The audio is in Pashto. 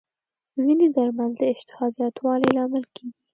ځینې درمل د اشتها زیاتوالي لامل کېږي.